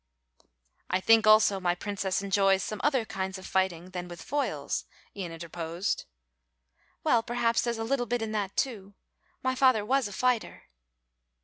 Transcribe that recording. "I think, also, my princess enjoys some other kinds of fighting than with foils," Ian interposed. "Well, perhaps there's a little bit in that too; my father was a fighter."